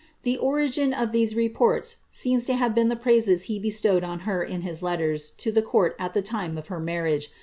The origin of these reports seems to have been the praises he bestowed on her in his letters to the court at the time of her marriage.